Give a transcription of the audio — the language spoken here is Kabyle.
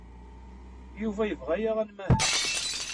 Yuba yebɣa-aɣ ad nmahel.